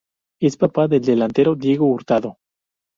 Es papá del delantero Diego Hurtado.